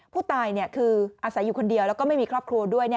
ผู้ตายคืออาศัยอยู่คนเดียวแล้วก็ไม่มีครอบครัวด้วย